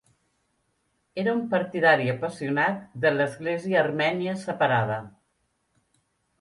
Era un partidari apassionat de l'Església armènia separada.